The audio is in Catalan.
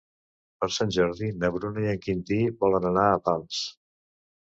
Per Sant Jordi na Bruna i en Quintí volen anar a Pals.